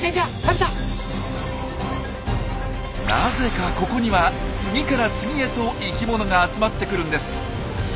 なぜかここには次から次へと生きものが集まってくるんです。